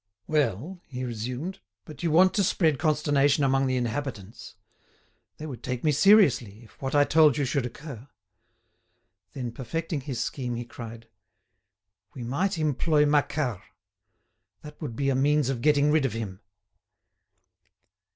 "Well," he resumed, "but you want to spread consternation among the inhabitants! They would take me seriously, if what I told you should occur." Then perfecting his scheme, he cried: "We might employ Macquart. That would be a means of getting rid of him."